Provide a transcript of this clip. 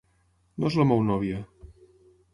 No és el meu nòvio.